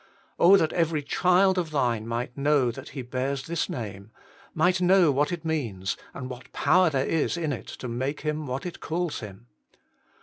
Oh that every child of Thine might know that He bears this name, might know what it means, and what power there is in it to make Him what it calls him.